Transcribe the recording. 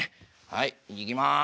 はいいきます。